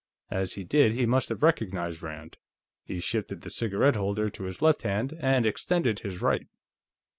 As he did, he must have recognized Rand; he shifted the cigarette holder to his left hand and extended his right.